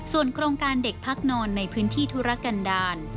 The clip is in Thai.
ส่วนโครงการเด็กพักนอนในพื้นที่ธุรกันดาล